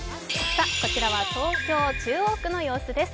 こちらは東京・中央区の様子です。